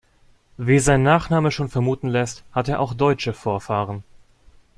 Wie sein Nachname schon vermuten lässt, hat er auch deutsche Vorfahren.